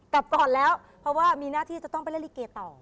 กลับก่อนแล้วเพราะว่ามีหน้าที่จะต้องไปเล่นลิเกต่อ